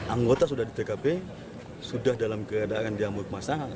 anggota sudah di tkp sudah dalam keadaan diamur kemasan